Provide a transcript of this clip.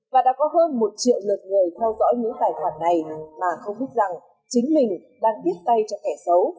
và đã có hơn một triệu lượt người theo dõi những tài khoản này mà không biết rằng chính mình đang tiếp tay cho kẻ xấu